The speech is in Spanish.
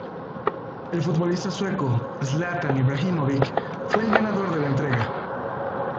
El futbolista sueco Zlatan Ibrahimović fue el ganador de la entrega.